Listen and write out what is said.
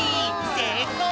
せいこう！